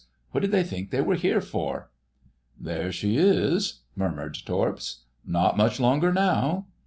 What did they think they were here for? "There she is," murmured Torps. "Not much longer now."